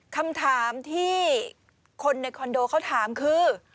คำถามที่คนในคอนโดเขาถามคือ